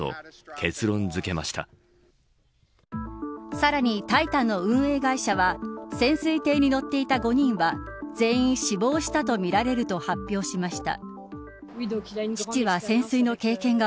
さらに、タイタンの運営会社は潜水艇に乗っていた５人は全員死亡したとみられると発表しました。